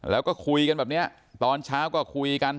แล้วก็คุยกันแบบนี้ตอนเช้าก็คุยกัน